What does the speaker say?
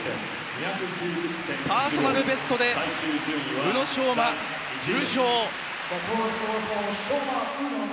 パーソナルベストで宇野昌磨優勝。